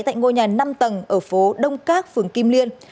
tại ngôi nhà năm tầng ở phố đông các phường kim liên